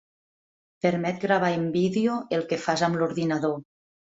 Permet gravar en vídeo el que fas amb l’ordinador.